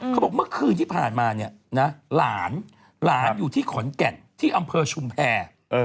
เค้าบอกเมื่อคืนที่ผ่านมาหลานอยู่ที่ขอนแก่นที่อำเภอชุมแพ่